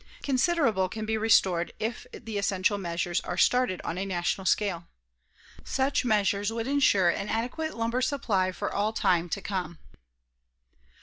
Considerable can be restored if the essential measures are started on a national scale. Such measures would insure an adequate lumber supply for all time to come.